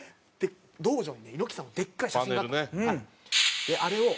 道場に猪木さんのでっかい写真があったんです。